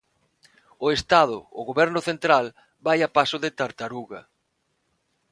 O Estado, o Goberno central, vai a paso de tartaruga.